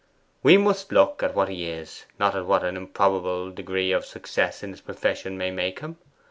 We must look at what he is, not what an improbable degree of success in his profession may make him.